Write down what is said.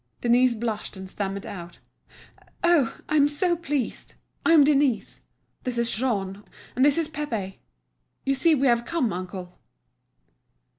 Denise blushed and stammered out: "Oh, I'm so pleased! I am Denise. This is Jean, and this is Pépé. You see we have come, uncle."